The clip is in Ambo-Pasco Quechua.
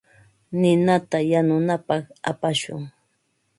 Ninata yanunapaq apashun.